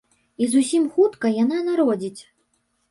І зусім хутка яна народзіць.